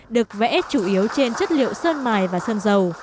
được vẽ chủ yếu trên chất liệu sơn mài và sơn dầu